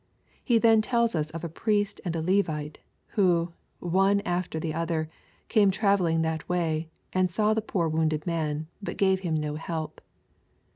He then tells os of a priest and a Levite, who, one after the other, came travelling that way, and saw the poor wounded man, but gave him no help.